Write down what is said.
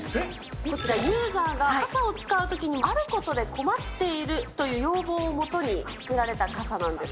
こちら、ユーザーが傘を使うときにあることで困っているという要望をもとに作られた傘なんです。